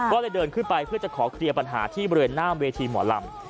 ก็เลยเดินขึ้นไปเพื่อจะขอเคลียร์ปัญหาที่บริเวณหน้าเวทีหมอลำ